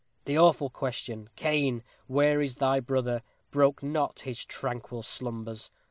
The awful question, 'Cain, where is thy brother?' broke not his tranquil slumbers.